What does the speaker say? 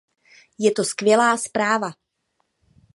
Je to skvělá zpráva.